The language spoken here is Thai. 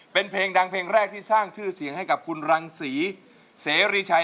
เป็นเพลงดังเพลงแรกที่สร้างชื่อเสียงให้กับคุณรังศรีเสรีชัย